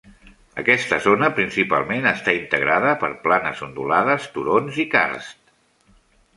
Aquesta zona principalment està integrada per planes ondulades, turons i karst.